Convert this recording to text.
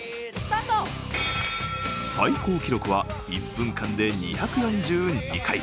最高記録は１分間で２４２回。